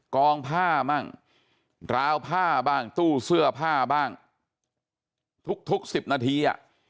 กองผ้าบ้างราวผ้าบ้างตู้เสื้อผ้าบ้างทุก๑๐นาที